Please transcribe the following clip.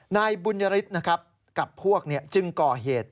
นายบุญยฤทธิ์นะครับกับพวกจึงก่อเหตุ